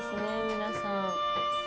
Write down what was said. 皆さん。